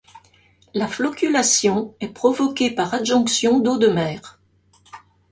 La floculation est provoquée par adjonction d'eau de mer.